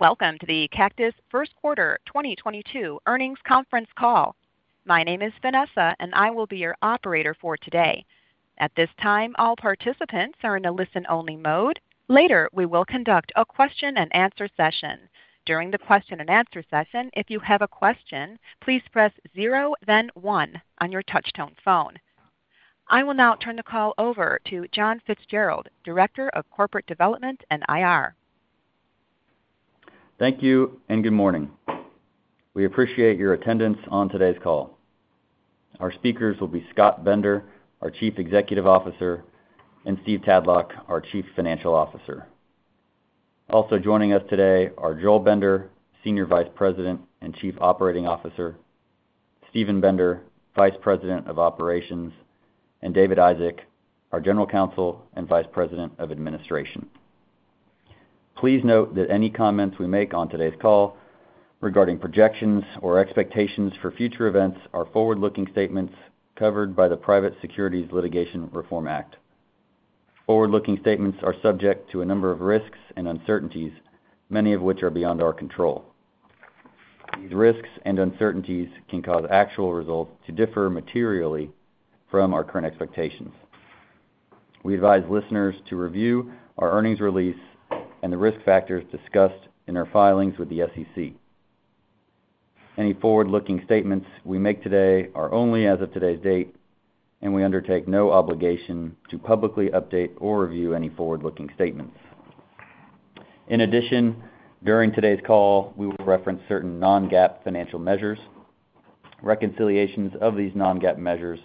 Welcome to the Cactus first quarter 2022 earnings conference call. My name is Vanessa, and I will be your operator for today. At this time, all participants are in a listen-only mode. Later, we will conduct a question-and-answer session. During the question-and-answer session, if you have a question, please press zero then one on your touch-tone phone. I will now turn the call over to John Fitzgerald, Director of Corporate Development and IR. Thank you and good morning. We appreciate your attendance on today's call. Our speakers will be Scott Bender, our Chief Executive Officer, and Steve Tadlock, our Chief Financial Officer. Also joining us today are Joel Bender, Senior Vice President and Chief Operating Officer, Steven Bender, Vice President of Operations, and David Isaac, our General Counsel and Vice President of Administration. Please note that any comments we make on today's call regarding projections or expectations for future events are forward-looking statements covered by the Private Securities Litigation Reform Act. Forward-looking statements are subject to a number of risks and uncertainties, many of which are beyond our control. These risks and uncertainties can cause actual results to differ materially from our current expectations. We advise listeners to review our earnings release and the risk factors discussed in our filings with the SEC. Any forward-looking statements we make today are only as of today's date, and we undertake no obligation to publicly update or review any forward-looking statements. In addition, during today's call, we will reference certain non-GAAP financial measures. Reconciliations of these non-GAAP measures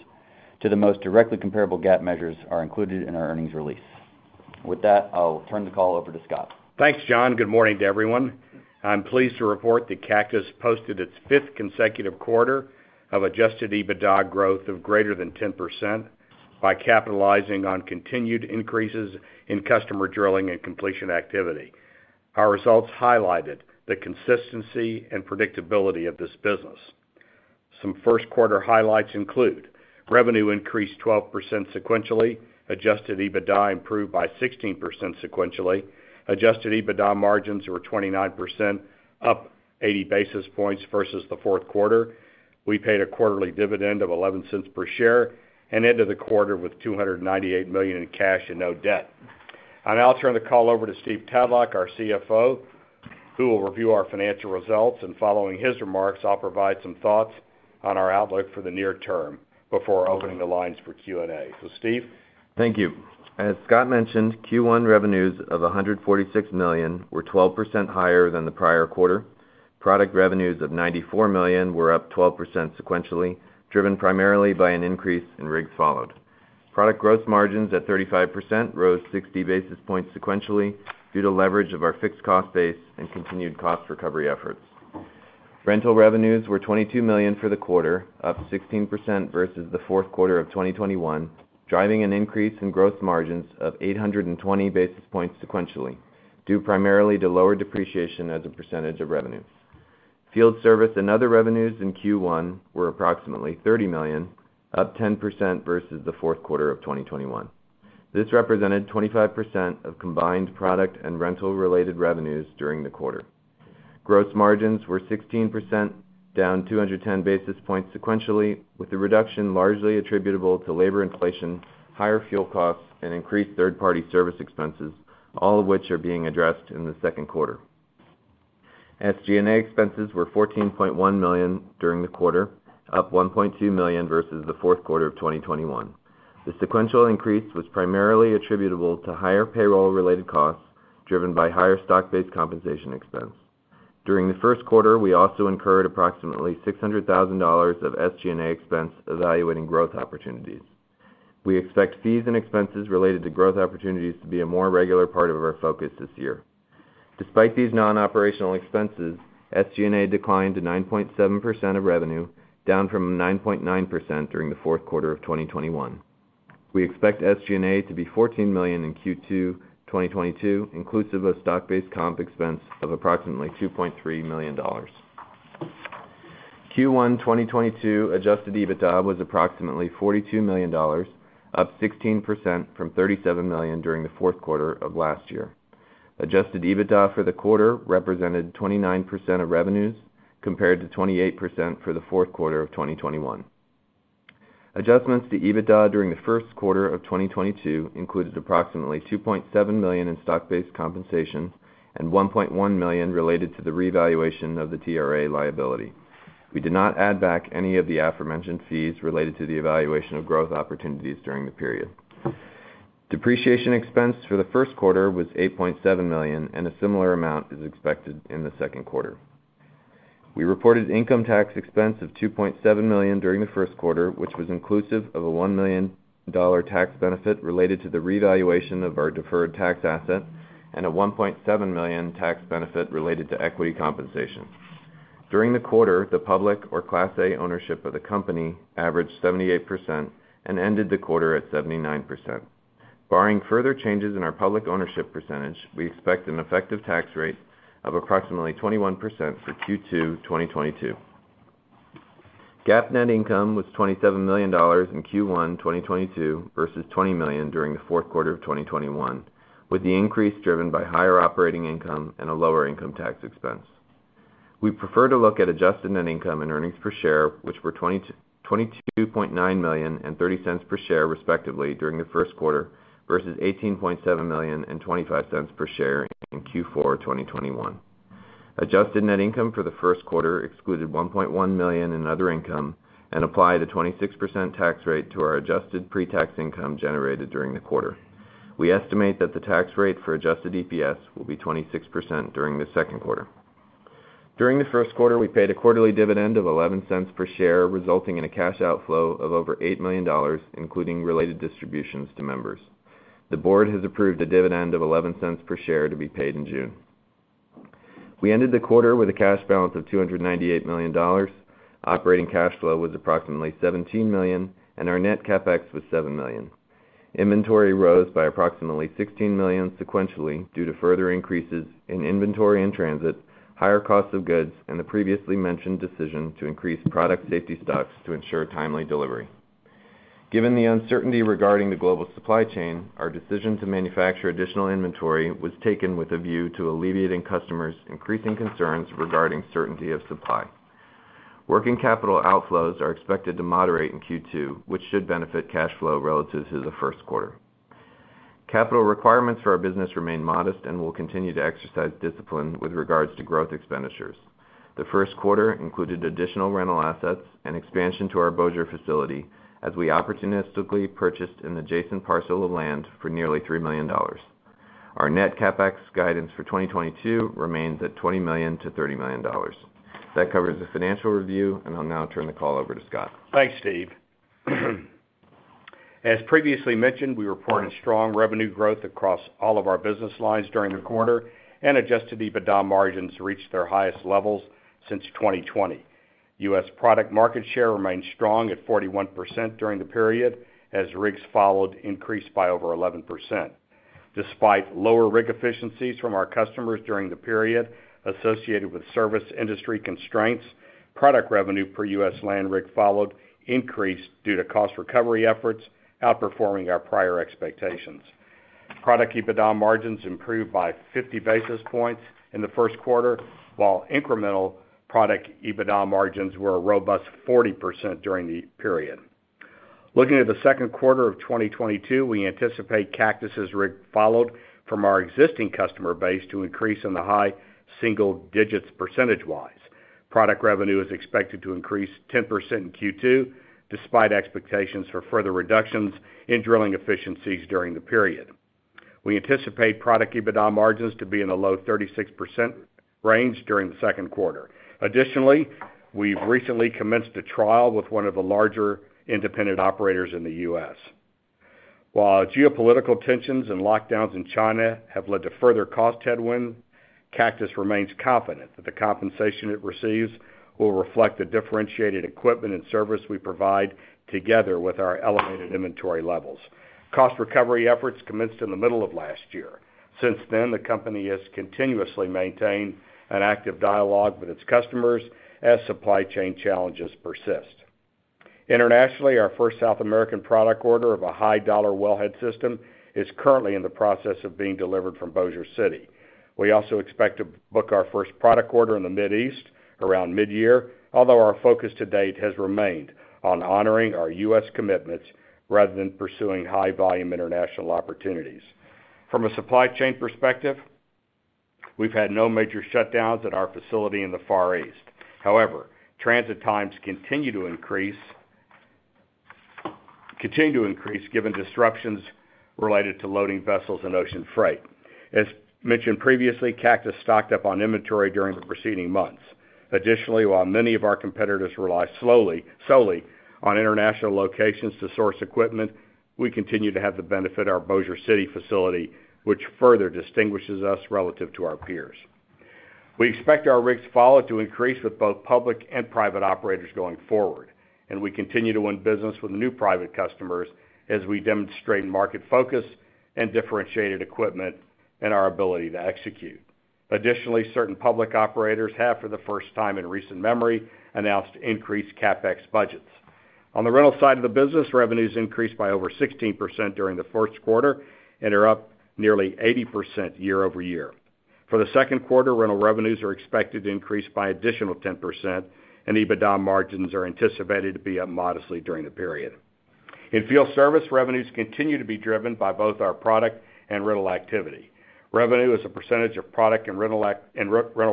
to the most directly comparable GAAP measures are included in our earnings release. With that, I'll turn the call over to Scott. Thanks, John. Good morning to everyone. I'm pleased to report that Cactus posted its fifth consecutive quarter of adjusted EBITDA growth of greater than 10% by capitalizing on continued increases in customer drilling and completion activity. Our results highlighted the consistency and predictability of this business. Some first quarter highlights include revenue increased 12% sequentially, adjusted EBITDA improved by 16% sequentially, adjusted EBITDA margins were 29%, up 80 basis points versus the fourth quarter. We paid a quarterly dividend of $0.11 per share and ended the quarter with $298 million in cash and no debt. I'll now turn the call over to Stephen Tadlock, our CFO, who will review our financial results, and following his remarks, I'll provide some thoughts on our outlook for the near term before opening the lines for Q&A. Steve? Thank you. As Scott mentioned, Q1 revenues of $146 million were 12% higher than the prior quarter. Product revenues of $94 million were up 12% sequentially, driven primarily by an increase in rigs followed. Product gross margins at 35% rose 60 basis points sequentially due to leverage of our fixed cost base and continued cost recovery efforts. Rental revenues were $22 million for the quarter, up 16% versus the fourth quarter of 2021, driving an increase in gross margins of 820 basis points sequentially, due primarily to lower depreciation as a percentage of revenues. Field service and other revenues in Q1 were approximately $30 million, up 10% versus the fourth quarter of 2021. This represented 25% of combined product and rental related revenues during the quarter. Gross margins were 16%, down 210 basis points sequentially, with the reduction largely attributable to labor inflation, higher fuel costs, and increased third-party service expenses, all of which are being addressed in the second quarter. SG&A expenses were $14.1 million during the quarter, up $1.2 million versus the fourth quarter of 2021. The sequential increase was primarily attributable to higher payroll related costs driven by higher stock-based compensation expense. During the first quarter, we also incurred approximately $600,000 of SG&A expense evaluating growth opportunities. We expect fees and expenses related to growth opportunities to be a more regular part of our focus this year. Despite these non-operational expenses, SG&A declined to 9.7% of revenue, down from 9.9% during the fourth quarter of 2021. We expect SG&A to be $14 million in Q2 2022, inclusive of stock-based comp expense of approximately $2.3 million. Q1 2022 adjusted EBITDA was approximately $42 million, up 16% from $37 million during the fourth quarter of last year. Adjusted EBITDA for the quarter represented 29% of revenues, compared to 28% for the fourth quarter of 2021. Adjustments to EBITDA during the first quarter of 2022 included approximately $2.7 million in stock-based compensation and $1.1 million related to the revaluation of the TRA liability. We did not add back any of the aforementioned fees related to the evaluation of growth opportunities during the period. Depreciation expense for the first quarter was $8.7 million, and a similar amount is expected in the second quarter. We reported income tax expense of $2.7 million during the first quarter, which was inclusive of a $1 million tax benefit related to the revaluation of our deferred tax asset and a $1.7 million tax benefit related to equity compensation. During the quarter, the public or Class A ownership of the company averaged 78% and ended the quarter at 79%. Barring further changes in our public ownership percentage, we expect an effective tax rate of approximately 21% for Q2 2022. GAAP net income was $27 million in Q1 2022 versus $20 million during the fourth quarter of 2021, with the increase driven by higher operating income and a lower income tax expense. We prefer to look at adjusted net income and earnings per share, which were $22.9 million and $0.30 per share respectively during the first quarter versus $18.7 million and $0.25 per share in Q4 2021. Adjusted net income for the first quarter excluded $1.1 million in other income and applied a 26% tax rate to our adjusted pre-tax income generated during the quarter. We estimate that the tax rate for adjusted EPS will be 26% during the second quarter. During the first quarter, we paid a quarterly dividend of $0.11 per share, resulting in a cash outflow of over $8 million, including related distributions to members. The board has approved a dividend of $0.11 per share to be paid in June. We ended the quarter with a cash balance of $298 million. Operating cash flow was approximately $17 million, and our net CapEx was $7 million. Inventory rose by approximately $16 million sequentially due to further increases in inventory in transit, higher cost of goods, and the previously mentioned decision to increase product safety stocks to ensure timely delivery. Given the uncertainty regarding the global supply chain, our decision to manufacture additional inventory was taken with a view to alleviating customers' increasing concerns regarding certainty of supply. Working capital outflows are expected to moderate in Q2, which should benefit cash flow relative to the first quarter. Capital requirements for our business remain modest and will continue to exercise discipline with regards to growth expenditures. The first quarter included additional rental assets and expansion to our Bossier facility as we opportunistically purchased an adjacent parcel of land for nearly $3 million. Our net CapEx guidance for 2022 remains at $20 million-$30 million. That covers the financial review, and I'll now turn the call over to Scott. Thanks, Steve. As previously mentioned, we reported strong revenue growth across all of our business lines during the quarter, and adjusted EBITDA margins reached their highest levels since 2020. U.S. product market share remained strong at 41% during the period, as rig count increased by over 11%. Despite lower rig efficiencies from our customers during the period associated with service industry constraints, product revenue per U.S. land rig count increased due to cost recovery efforts, outperforming our prior expectations. Product EBITDA margins improved by 50 basis points in the first quarter, while incremental product EBITDA margins were a robust 40% during the period. Looking at the second quarter of 2022, we anticipate Cactus's rig count from our existing customer base to increase in the high single digits %. Product revenue is expected to increase 10% in Q2, despite expectations for further reductions in drilling efficiencies during the period. We anticipate product EBITDA margins to be in the low 36% range during the second quarter. Additionally, we've recently commenced a trial with one of the larger independent operators in the U.S. While geopolitical tensions and lockdowns in China have led to further cost headwind, Cactus remains confident that the compensation it receives will reflect the differentiated equipment and service we provide together with our elevated inventory levels. Cost recovery efforts commenced in the middle of last year. Since then, the company has continuously maintained an active dialogue with its customers as supply chain challenges persist. Internationally, our first South American product order of a high-dollar wellhead system is currently in the process of being delivered from Bossier City. We also expect to book our first product order in the Middle East around mid-year, although our focus to date has remained on honoring our U.S. commitments rather than pursuing high-volume international opportunities. From a supply chain perspective, we've had no major shutdowns at our facility in the Far East. However, transit times continue to increase given disruptions related to loading vessels and ocean freight. As mentioned previously, Cactus stocked up on inventory during the preceding months. Additionally, while many of our competitors rely solely on international locations to source equipment, we continue to have the benefit our Bossier City facility, which further distinguishes us relative to our peers. We expect our rig count to increase with both public and private operators going forward, and we continue to win business with new private customers as we demonstrate market focus and differentiated equipment and our ability to execute. Additionally, certain public operators have, for the first time in recent memory, announced increased CapEx budgets. On the rental side of the business, revenues increased by over 16% during the first quarter and are up nearly 80% year-over-year. For the second quarter, rental revenues are expected to increase by additional 10%, and EBITDA margins are anticipated to be up modestly during the period. In field service, revenues continue to be driven by both our product and rental activity. Revenue as a percentage of product and rental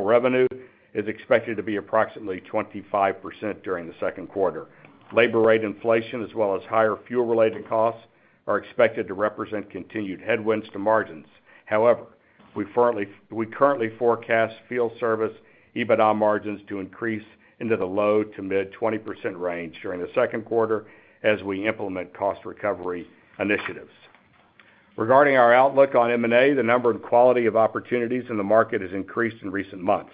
revenue is expected to be approximately 25% during the second quarter. Labor rate inflation as well as higher fuel related costs are expected to represent continued headwinds to margins. However, we currently forecast field service EBITDA margins to increase into the low-to-mid 20% range during the second quarter as we implement cost recovery initiatives. Regarding our outlook on M&A, the number and quality of opportunities in the market has increased in recent months.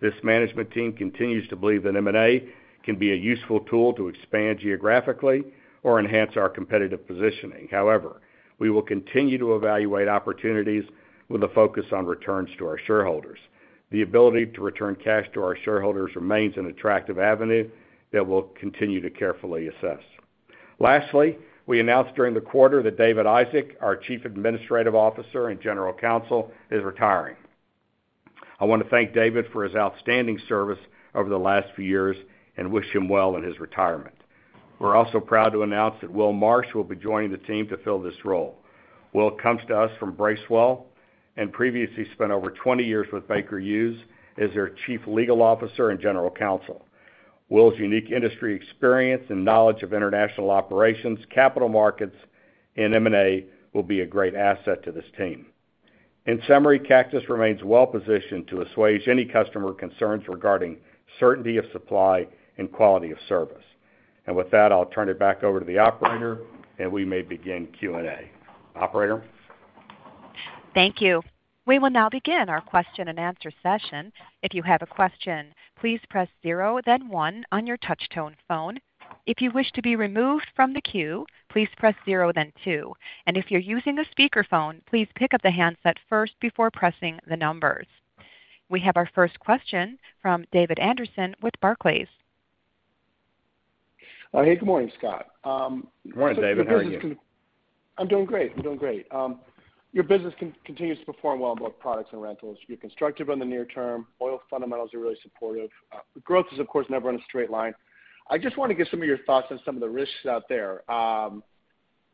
This management team continues to believe that M&A can be a useful tool to expand geographically or enhance our competitive positioning. However, we will continue to evaluate opportunities with a focus on returns to our shareholders. The ability to return cash to our shareholders remains an attractive avenue that we'll continue to carefully assess. Lastly, we announced during the quarter that David Isaac, our General Counsel and Vice President of Administration, is retiring. I wanna thank David for his outstanding service over the last few years and wish him well in his retirement. We're also proud to announce that Will Marsh will be joining the team to fill this role. Will comes to us from Bracewell, and previously spent over 20 years with Baker Hughes as their Chief Legal Officer and General Counsel. Will's unique industry experience and knowledge of international operations, capital markets, and M&A will be a great asset to this team. In summary, Cactus remains well-positioned to assuage any customer concerns regarding certainty of supply and quality of service. With that, I'll turn it back over to the operator, and we may begin Q&A. Operator? Thank you. We will now begin our question-and-answer session. If you have a question, please press zero, then one on your touch tone phone. If you wish to be removed from the queue, please press zero then two. If you're using a speakerphone, please pick up the handset first before pressing the numbers. We have our first question from David Anderson with Barclays. Hey, good morning, Scott. Good morning, David. How are you? I'm doing great. Your business continues to perform well on both products and rentals. You're constructive on the near term. Oil fundamentals are really supportive. Growth is, of course, never in a straight line. I just want to get some of your thoughts on some of the risks out there.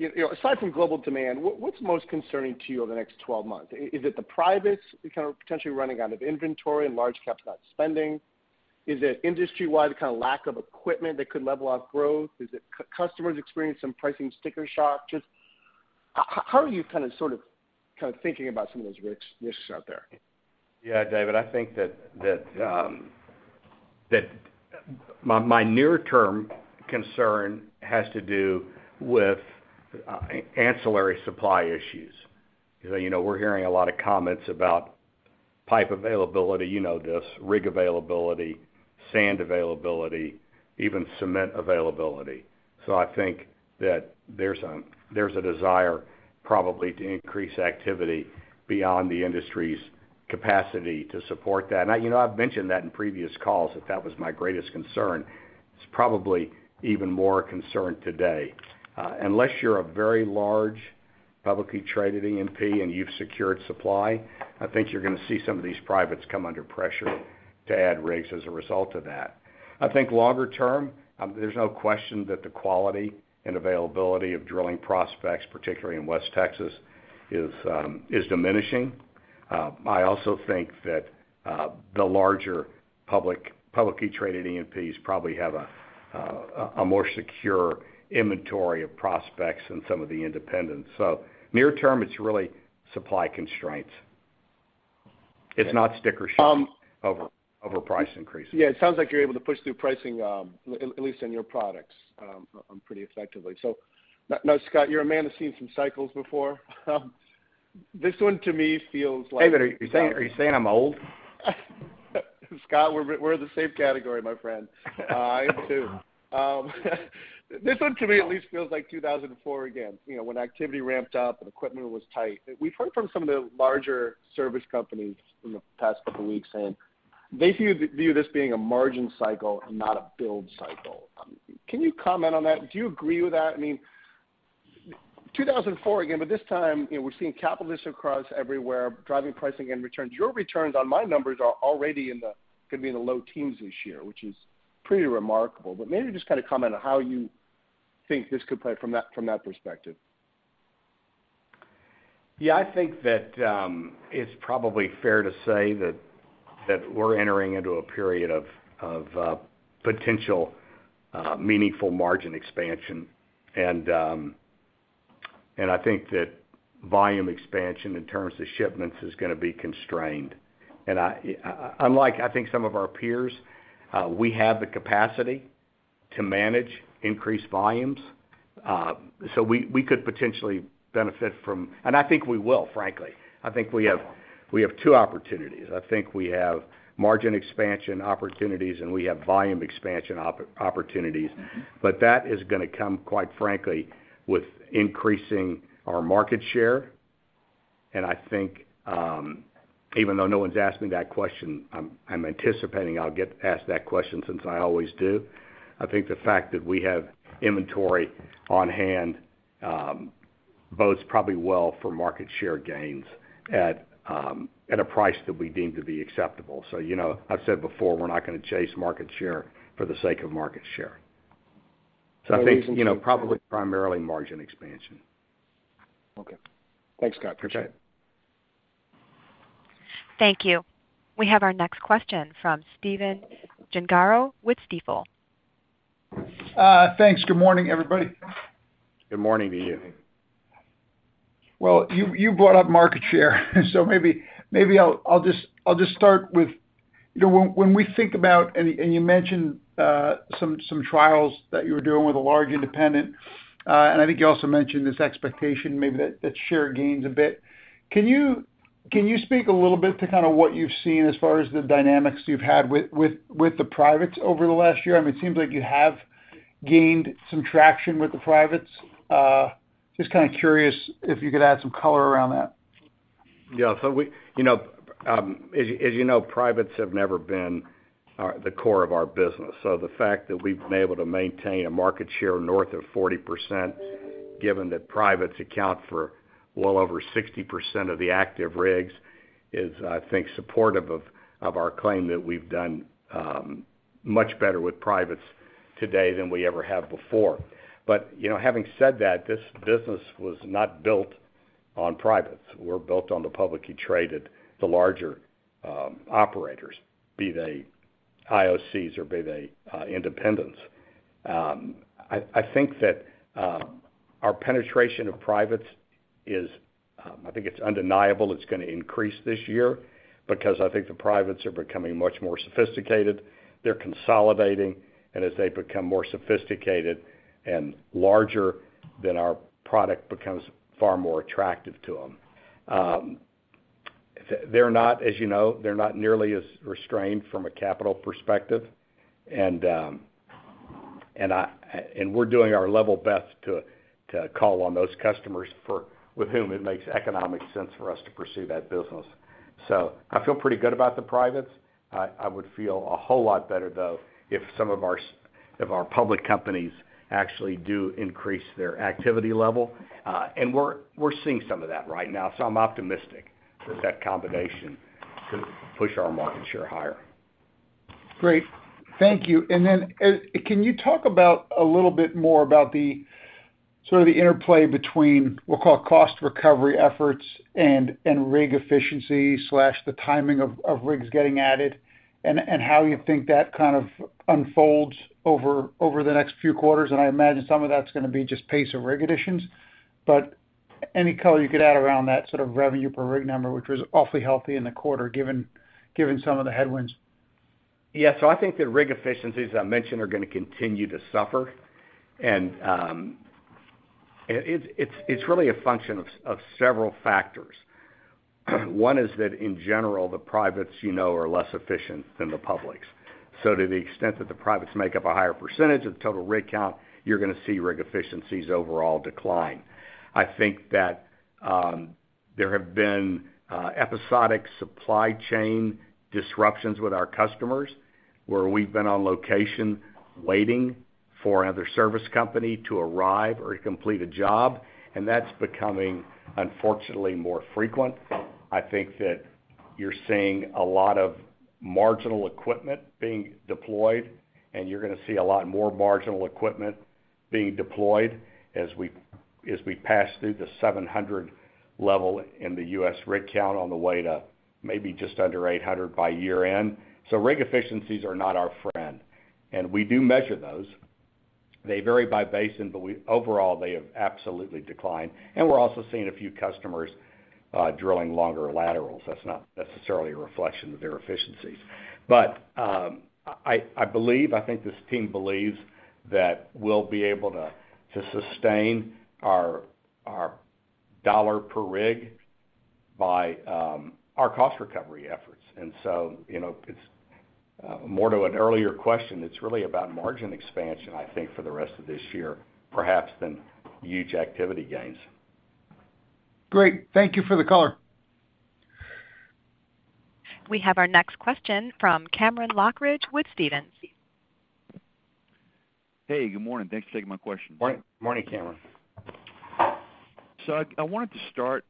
You know, aside from global demand, what's most concerning to you over the next 12 months? Is it the privates kind of potentially running out of inventory and large cap stock spending? Is it industry-wide kind of lack of equipment that could level off growth? Is it customers experiencing some pricing sticker shock? Just how are you kind of sort of thinking about some of those risks out there? Yeah, David, I think that my near-term concern has to do with ancillary supply issues. You know, we're hearing a lot of comments about pipe availability, you know this, rig availability, sand availability, even cement availability. So I think that there's a desire probably to increase activity beyond the industry's capacity to support that. I, you know, I've mentioned that in previous calls that was my greatest concern. It's probably even more a concern today. Unless you're a very large publicly traded E&P and you've secured supply, I think you're gonna see some of these privates come under pressure to add rigs as a result of that. I think longer term, there's no question that the quality and availability of drilling prospects, particularly in West Texas, is diminishing. I also think that the larger public, publicly traded E&Ps probably have a more secure inventory of prospects than some of the independents. Near term, it's really supply constraints. It's not sticker shock. Um- over price increases. Yeah. It sounds like you're able to push through pricing, at least in your products, pretty effectively. Now, Scott, you're a man that's seen some cycles before. This one to me feels like. David, are you saying I'm old? Scott, we're in the same category, my friend. I am too. This one to me at least feels like 2004 again, you know, when activity ramped up and equipment was tight. We've heard from some of the larger service companies in the past couple weeks saying they view this being a margin cycle and not a build cycle. Can you comment on that? Do you agree with that? I mean, 2004 again, but this time, you know, we're seeing capitalistic cries everywhere, driving pricing and returns. Your returns on my numbers are already in the low teens, could be in the low teens this year, which is pretty remarkable. Maybe just kind of comment on how you think this could play from that perspective. Yeah. I think that it's probably fair to say that we're entering into a period of potential meaningful margin expansion. I think that volume expansion in terms of shipments is gonna be constrained. I, unlike I think some of our peers, we have the capacity to manage increased volumes. We could potentially benefit from. I think we will, frankly. I think we have two opportunities. I think we have margin expansion opportunities, and we have volume expansion opportunities. That is gonna come, quite frankly, with increasing our market share. I think even though no one's asked me that question, I'm anticipating I'll get asked that question since I always do. I think the fact that we have inventory on hand bodes probably well for market share gains at a price that we deem to be acceptable. You know, I've said before, we're not gonna chase market share for the sake of market share. I think That makes sense. you know, probably primarily margin expansion. Okay. Thanks, Scott. Appreciate it. Thank you. We have our next question from Stephen Gengaro with Stifel. Thanks. Good morning, everybody. Good morning to you. Well, you brought up market share, so maybe I'll just start with, you know, when we think about, and you mentioned some trials that you were doing with a large independent, and I think you also mentioned this expectation maybe that share gains a bit. Can you speak a little bit to kind of what you've seen as far as the dynamics you've had with the privates over the last year? I mean, it seems like you have gained some traction with the privates. Just kind of curious if you could add some color around that. Yeah. You know, as you know, privates have never been the core of our business. The fact that we've been able to maintain a market share north of 40%, given that privates account for well over 60% of the active rigs is, I think, supportive of our claim that we've done much better with privates today than we ever have before. You know, having said that, this business was not built on privates. We're built on the publicly traded, the larger operators, be they IOCs or be they independents. I think that our penetration of privates is, I think it's undeniable it's gonna increase this year because I think the privates are becoming much more sophisticated. They're consolidating. As they become more sophisticated and larger, then our product becomes far more attractive to them. They're not, as you know, they're not nearly as restrained from a capital perspective, and and we're doing our level best to to call on those customers for with whom it makes economic sense for us to pursue that business. I feel pretty good about the privates. I would feel a whole lot better though if some of our of our public companies actually do increase their activity level. We're seeing some of that right now, I'm optimistic that that combination could push our market share higher. Great. Thank you. Can you talk about a little bit more about sort of the interplay between, we'll call it cost recovery efforts and rig efficiency/the timing of rigs getting added, and how you think that kind of unfolds over the next few quarters? I imagine some of that's gonna be just pace of rig additions. Any color you could add around that sort of revenue per rig number, which was awfully healthy in the quarter given some of the headwinds. Yeah. I think the rig efficiencies I mentioned are gonna continue to suffer. It's really a function of several factors. One is that in general, the privates, you know, are less efficient than the publics. To the extent that the privates make up a higher percentage of the total rig count, you're gonna see rig efficiencies overall decline. I think that there have been episodic supply chain disruptions with our customers, where we've been on location waiting for another service company to arrive or complete a job, and that's becoming, unfortunately, more frequent. I think that you're seeing a lot of marginal equipment being deployed, and you're gonna see a lot more marginal equipment being deployed as we pass through the 700 level in the U.S. rig count on the way to maybe just under 800 by year-end. Rig efficiencies are not our friend, and we do measure those. They vary by basin, but overall, they have absolutely declined. We're also seeing a few customers drilling longer laterals. That's not necessarily a reflection of their efficiencies. I believe, I think this team believes that we'll be able to sustain our $ per rig by our cost recovery efforts. You know, it's more to an earlier question, it's really about margin expansion, I think, for the rest of this year, perhaps than huge activity gains. Great. Thank you for the color. We have our next question from Cameron Lochridge with Stephens. Hey, good morning. Thanks for taking my question. Morning, Cameron. I wanted to start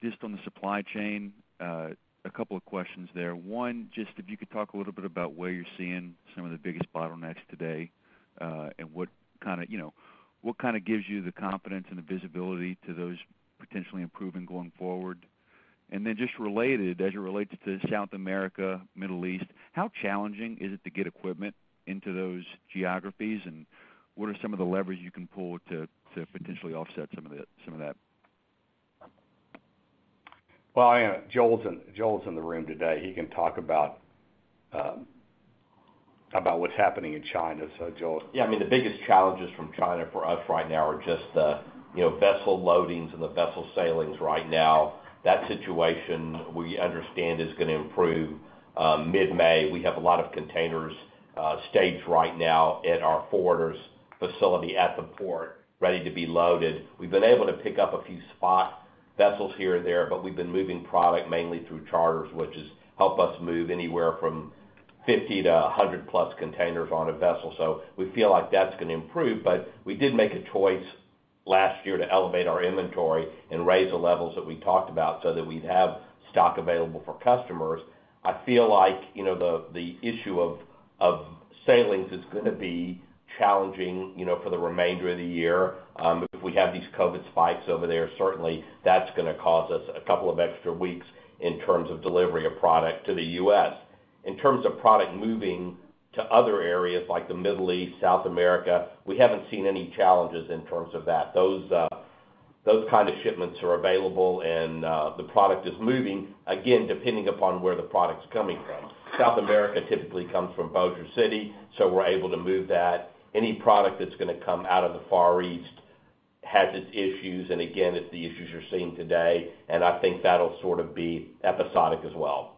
just on the supply chain, a couple of questions there. One, just if you could talk a little bit about where you're seeing some of the biggest bottlenecks today, and what kinda, you know, what kinda gives you the confidence and the visibility to those potentially improving going forward. Just related, as it relates to South America, Middle East, how challenging is it to get equipment into those geographies? What are some of the levers you can pull to potentially offset some of that? Well, Joel's in the room today. He can talk about what's happening in China. Joel. Yeah. I mean, the biggest challenges from China for us right now are just the, you know, vessel loadings and the vessel sailings right now. That situation, we understand, is gonna improve mid-May. We have a lot of containers staged right now at our forwarders facility at the port ready to be loaded. We've been able to pick up a few spot vessels here and there, but we've been moving product mainly through charters, which has helped us move anywhere from 50 to 100+ containers on a vessel. So we feel like that's gonna improve, but we did make a choice last year to elevate our inventory and raise the levels that we talked about so that we'd have stock available for customers. I feel like, you know, the issue of sailings is gonna be challenging, you know, for the remainder of the year. If we have these COVID spikes over there, certainly that's gonna cause us a couple of extra weeks in terms of delivery of product to the U.S. In terms of product moving to other areas like the Middle East, South America, we haven't seen any challenges in terms of that. Those kind of shipments are available and the product is moving, again, depending upon where the product's coming from. South America typically comes from Bossier City, so we're able to move that. Any product that's gonna come out of the Far East has its issues, and again, it's the issues you're seeing today, and I think that'll sort of be episodic as well.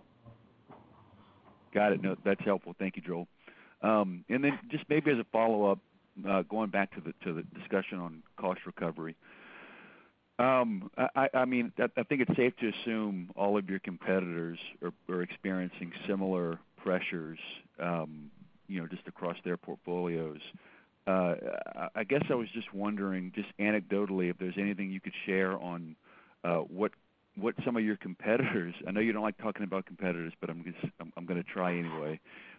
Got it. No, that's helpful. Thank you, Joel. Just maybe as a follow-up, going back to the discussion on cost recovery. I mean, I think it's safe to assume all of your competitors are experiencing similar pressures, you know, just across their portfolios. I guess I was just wondering, just anecdotally, if there's anything you could share on what some of your competitors. I know you don't like talking about competitors, but I'm gonna try anyway.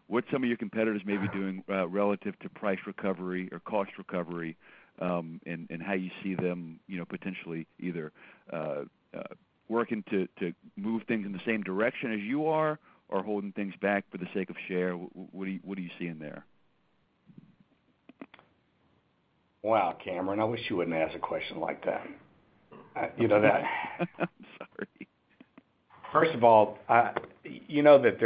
What some of your competitors may be doing, relative to price recovery or cost recovery, and how you see them, you know, potentially either working to move things in the same direction as you are or holding things back for the sake of share. What are you seeing there? Wow, Cameron, I wish you wouldn't ask a question like that. You know that- I'm sorry. First of all, you know that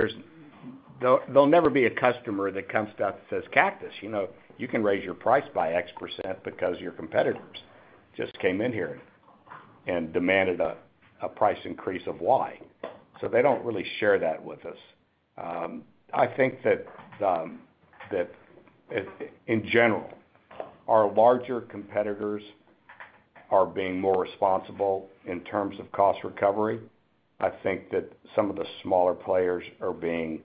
there'll never be a customer that comes up that says, "Cactus, you know, you can raise your price by X% because your competitors just came in here and demanded a price increase of Y." So they don't really share that with us. I think that in general, our larger competitors are being more responsible in terms of cost recovery. I think that some of the smaller players are being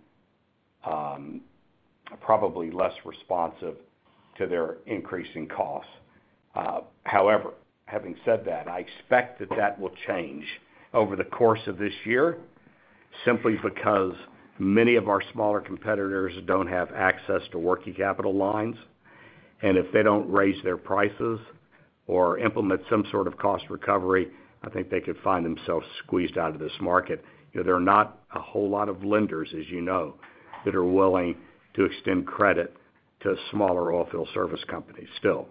probably less responsive to their increase in costs. However, having said that, I expect that will change over the course of this year simply because many of our smaller competitors don't have access to working capital lines, and if they don't raise their prices or implement some sort of cost recovery, I think they could find themselves squeezed out of this market. You know, there are not a whole lot of lenders, as you know, that are willing to extend credit to smaller oil field service companies still.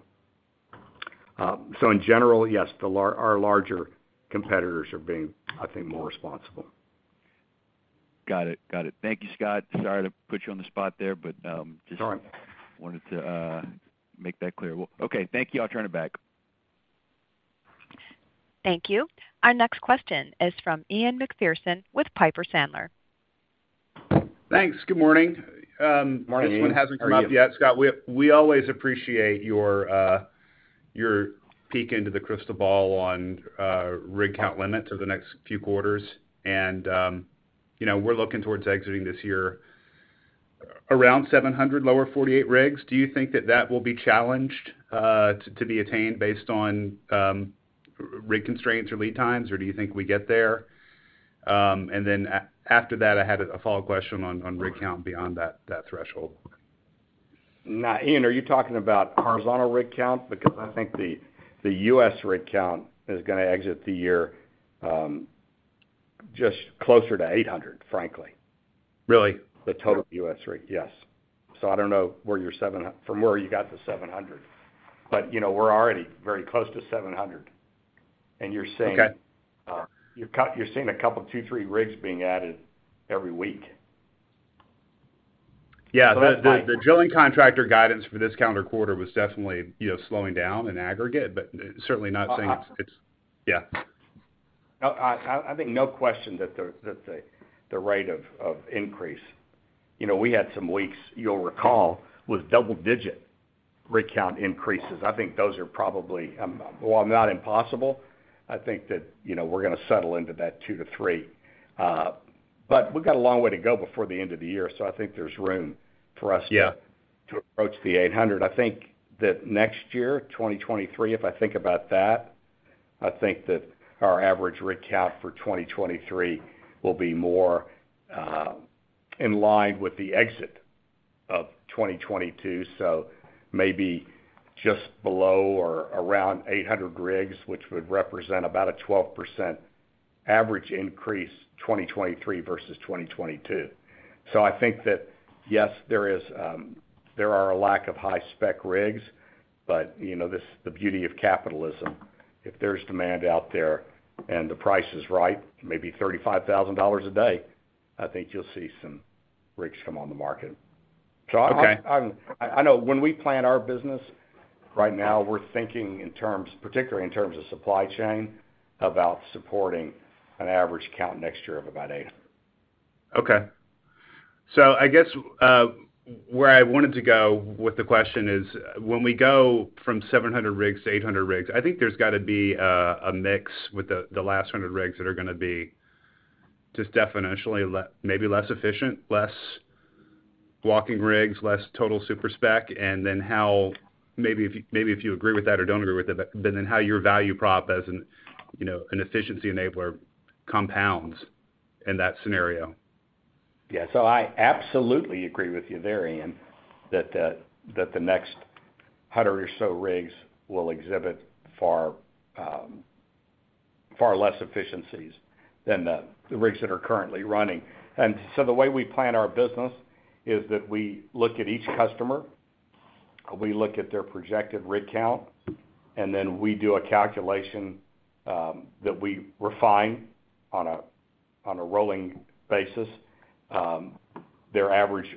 In general, yes, our larger competitors are being, I think, more responsible. Got it. Thank you, Scott. Sorry to put you on the spot there, but just- It's all right. wanted to, make that clear. Well, okay, thank you. I'll turn it back. Thank you. Our next question is from Ian Macpherson with Piper Sandler. Thanks. Good morning. Morning, Ian. How are you? This one hasn't come up yet. Scott, we always appreciate your peek into the crystal ball on rig count limits over the next few quarters. We're looking towards exiting this year around 700 lower 48 rigs. Do you think that will be challenged to be attained based on rig constraints or lead times, or do you think we get there? After that, I had a follow question on rig count beyond that threshold. Now, Ian, are you talking about horizontal rig count? Because I think the U.S. rig count is gonna exit the year, just closer to 800, frankly. Really? The total U.S. rig, yes. I don't know where you got the 700 from. You know, we're already very close to 700, and you're seeing. Okay You're seeing a couple, two, three rigs being added every week. Yeah. The drilling contractor guidance for this calendar quarter was definitely, you know, slowing down in aggregate, but certainly not saying it's. Uh, uh- Yeah. No, I think no question that the rate of increase. You know, we had some weeks, you'll recall, with double-digit rig count increases. I think those are probably, well, not impossible. I think that, you know, we're gonna settle into that 2-3. We've got a long way to go before the end of the year, so I think there's room for us. Yeah... to approach the 800. I think that next year, 2023, if I think about that, I think that our average rig count for 2023 will be more in line with the exit of 2022, so maybe just below or around 800 rigs, which would represent about a 12% average increase, 2023 versus 2022. I think that yes, there is there are a lack of high spec rigs, but you know, this is the beauty of capitalism. If there's demand out there and the price is right, maybe $35,000 a day, I think you'll see some rigs come on the market. I Okay. I know when we plan our business, right now we're thinking in terms, particularly in terms of supply chain, about supporting an average count next year of about 800. Okay. I guess where I wanted to go with the question is, when we go from 700 rigs to 800 rigs, I think there's gotta be a mix with the last 100 rigs that are gonna be just definitionally maybe less efficient, less walking rigs, less total super spec. Then how, maybe if you agree with that or don't agree with it, but then how your value prop as an, you know, an efficiency enabler compounds in that scenario. Yeah. I absolutely agree with you there, Ian, that the next 100 or so rigs will exhibit far less efficiencies than the rigs that are currently running. The way we plan our business is that we look at each customer, we look at their projected rig count, and then we do a calculation that we refine on a rolling basis, their average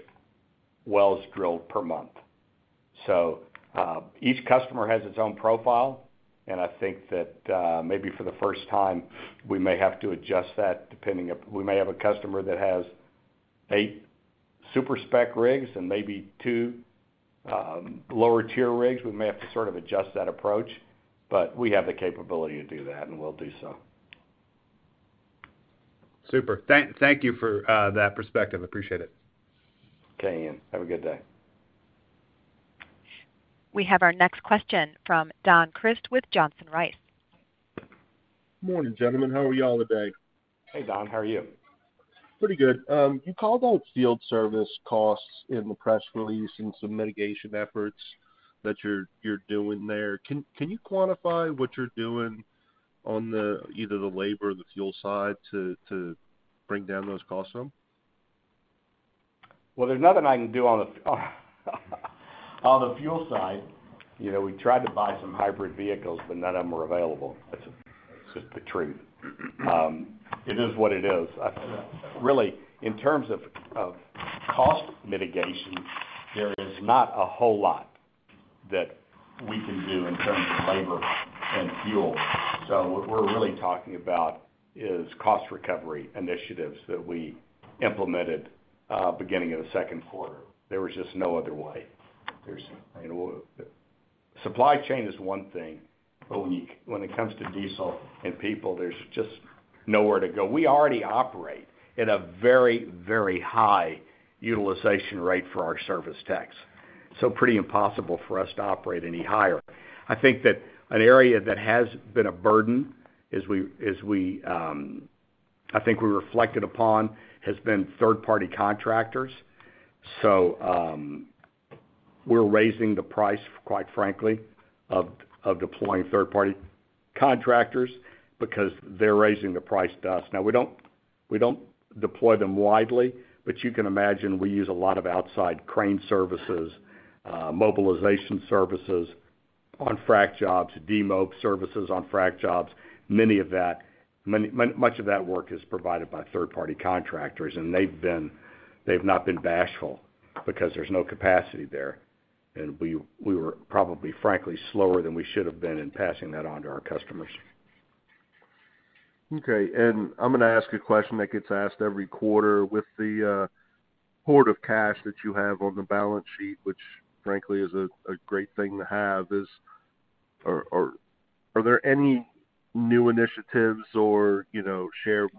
wells drilled per month. Each customer has its own profile, and I think that maybe for the first time, we may have to adjust that depending if we may have a customer that has eight super spec rigs and maybe two lower tier rigs. We may have to sort of adjust that approach, but we have the capability to do that, and we'll do so. Super. Thank you for that perspective. Appreciate it. Okay, Ian. Have a good day. We have our next question from Don Crist with Johnson Rice. Morning, gentlemen. How are y'all today? Hey, Don. How are you? Pretty good. You called out field service costs in the press release and some mitigation efforts that you're doing there. Can you quantify what you're doing on either the labor or the fuel side to bring down those costs some? Well, there's nothing I can do on the fuel side, you know, we tried to buy some hybrid vehicles, but none of them were available. That's just the truth. It is what it is. Really, in terms of cost mitigation, there is not a whole lot that we can do in terms of labor and fuel. What we're really talking about is cost recovery initiatives that we implemented beginning of the second quarter. There was just no other way. Supply chain is one thing, but when it comes to diesel and people, there's just nowhere to go. We already operate at a very, very high utilization rate for our service techs, so pretty impossible for us to operate any higher. I think that an area that has been a burden is third-party contractors. We're raising the price, quite frankly, of deploying third-party contractors because they're raising the price to us. Now we don't deploy them widely, but you can imagine we use a lot of outside crane services, mobilization services on frack jobs, demob services on frack jobs. Much of that work is provided by third-party contractors, and they've not been bashful because there's no capacity there. We were probably, frankly, slower than we should have been in passing that on to our customers. Okay. I'm gonna ask a question that gets asked every quarter. With the hoard of cash that you have on the balance sheet, which frankly is a great thing to have, are there any new initiatives or, you know, sharing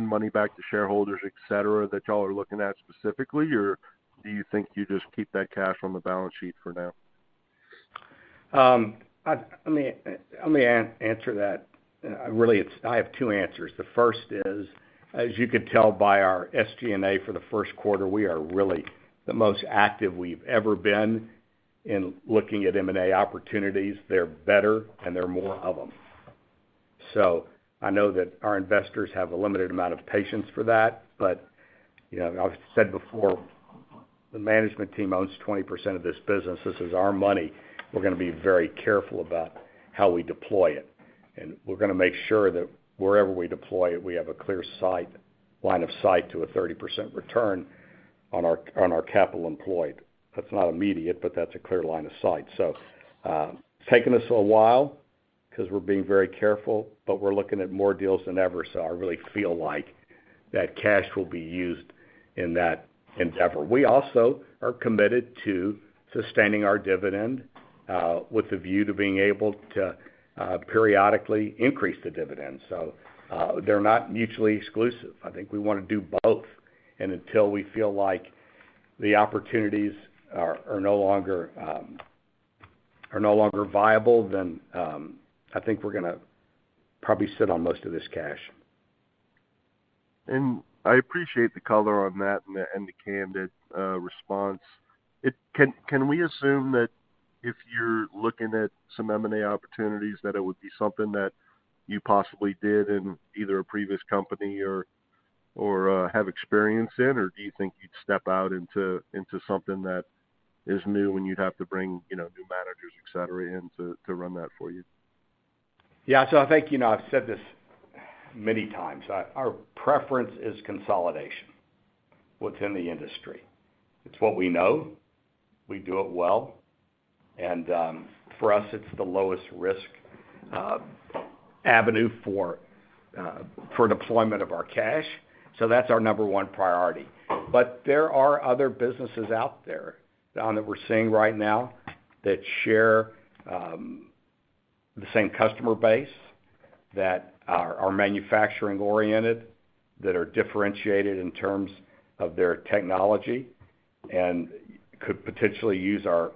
money back to shareholders, et cetera, that y'all are looking at specifically? Or do you think you just keep that cash on the balance sheet for now? Let me answer that. Really, it's. I have two answers. The first is, as you could tell by our SG&A for the first quarter, we are really the most active we've ever been in looking at M&A opportunities. They're better, and there are more of them. I know that our investors have a limited amount of patience for that. You know, I've said before, the management team owns 20% of this business. This is our money. We're gonna be very careful about how we deploy it, and we're gonna make sure that wherever we deploy it, we have a clear sight line of sight to a 30% return on our capital employed. That's not immediate, but that's a clear line of sight. It's taken us a while 'cause we're being very careful, but we're looking at more deals than ever. I really feel like that cash will be used in that endeavor. We also are committed to sustaining our dividend with a view to being able to periodically increase the dividend. They're not mutually exclusive. I think we wanna do both. Until we feel like the opportunities are no longer viable, I think we're gonna probably sit on most of this cash. I appreciate the color on that and the candid response. Can we assume that if you're looking at some M&A opportunities, that it would be something that you possibly did in either a previous company or have experience in? Or do you think you'd step out into something that is new and you'd have to bring, you know, new managers, et cetera, in to run that for you? Yeah. I think, you know, I've said this many times. Our preference is consolidation within the industry. It's what we know. We do it well. For us, it's the lowest risk avenue for deployment of our cash. That's our number one priority. There are other businesses out there, Don, that we're seeing right now that share the same customer base, that are manufacturing oriented, that are differentiated in terms of their technology and could potentially use our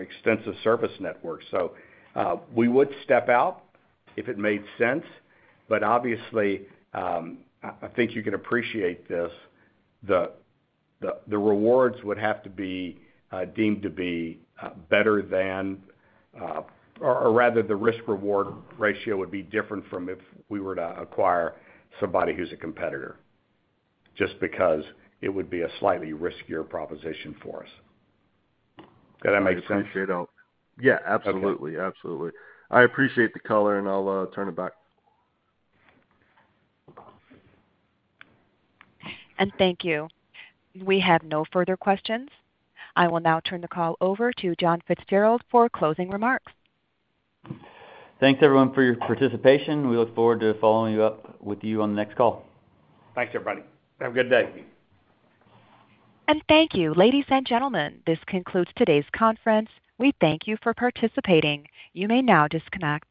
extensive service network. We would step out if it made sense, but obviously, I think you can appreciate this, the rewards would have to be deemed to be better than, or rather the risk-reward ratio would be different from if we were to acquire somebody who's a competitor, just because it would be a slightly riskier proposition for us. Does that make sense? I appreciate. Yeah, absolutely. Okay. Absolutely. I appreciate the color, and I'll turn it back. Thank you. We have no further questions. I will now turn the call over to John Fitzgerald for closing remarks. Thanks, everyone, for your participation. We look forward to following up with you on the next call. Thanks, everybody. Have a good day. Thank you. Ladies and gentlemen, this concludes today's conference. We thank you for participating. You may now disconnect.